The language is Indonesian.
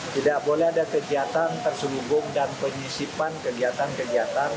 tidak boleh ada kegiatan terselubung dan penyisipan kegiatan kegiatan